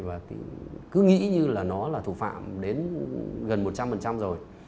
và cứ nghĩ như là nó là thủ phạm đến gần một trăm linh rồi